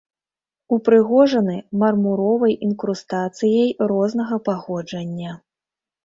Упрыгожаны мармуровай інкрустацыяй рознага паходжання.